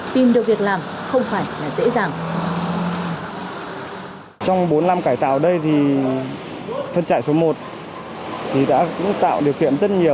tìm được việc làm không phải là dễ dàng